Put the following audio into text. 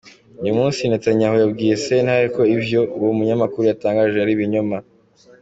Uyu munsi Netanyahu yabwiye sentare ko ivyo uwo munyamakuru yatangaje ari ibinyoma.